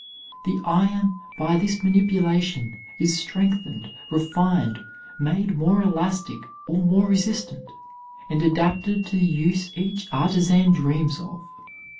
The iron, by this manipulation, is strengthened, refined, made more elastic or more resistant, and adapted to the use each artisan dreams of.